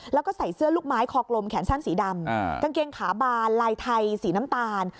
แล้วก็ใส่เสื้อลูกไม้คอกลมแขนสั้นสีดำกางเกงขาบานลายไทยสีน้ำตาล